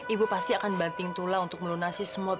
aku gak sanggup untuk nyebut